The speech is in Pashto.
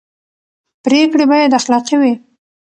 پرېکړې باید اخلاقي وي